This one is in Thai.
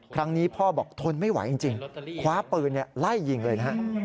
ครั้งนี้พ่อบอกทนไม่ไหวจริงคว้าปืนไล่ยิงเลยนะฮะ